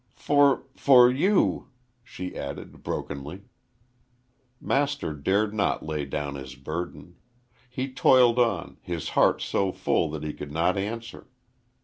"For for you," she added, brokenly. Master dared not lay down his burden. He toiled on, his heart so full that he could not answer.